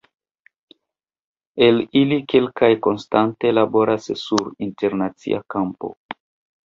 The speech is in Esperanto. El ili kelkaj konstante laboras sur internacia kampo.